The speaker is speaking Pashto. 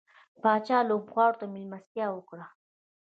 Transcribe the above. پاچا لوبغاړو ته ملستيا وکړه.